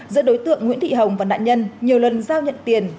giữa đối tượng nguyễn thị hồng và nạn nhân nhiều lần giao nhận tiền